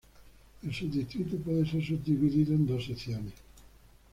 El subdistrito puede ser subdividido en dos secciones.